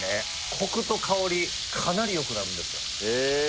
コクと香りかなりよくなるんですよ